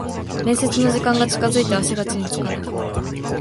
面接の時間が近づいて足が地につかない